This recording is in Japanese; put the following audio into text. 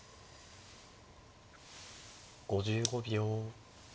５５秒。